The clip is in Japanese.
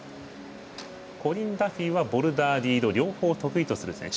コリン・ダフィーはボルダーリード両方得意とする選手。